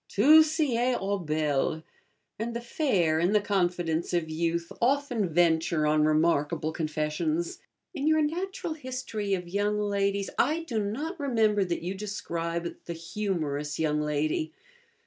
'Tout sied aux belles,' and the fair, in the confidence of youth, often venture on remarkable confessions. In your 'Natural History of Young Ladies' I do not remember that you describe the Humorous Young Lady (1).